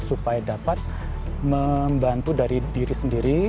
supaya dapat membantu dari diri sendiri